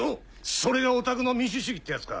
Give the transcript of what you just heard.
それがおたくの民主主義ってやつか！